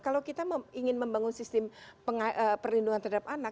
kalau kita ingin membangun sistem perlindungan terhadap anak